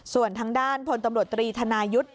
ส่วนทางด้านพลตำรวจตรีธนายุทธ์